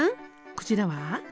こちらは？